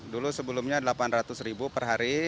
dulu sebelumnya delapan ratus ribu per hari